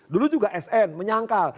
dulu juga sn menyangkal